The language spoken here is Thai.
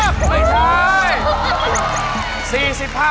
ไม่ใช่